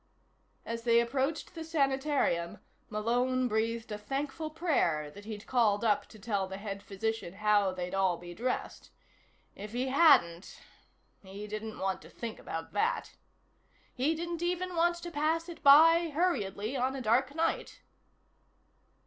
As they approached the sanitarium, Malone breathed a thankful prayer that he'd called up to tell the head physician how they'd all be dressed. If he hadn't.... He didn't want to think about that. He didn't even want to pass it by hurriedly on a dark night.